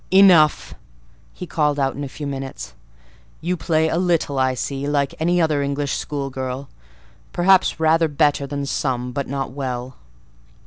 "Enough!" he called out in a few minutes. "You play a little, I see; like any other English school girl; perhaps rather better than some, but not well."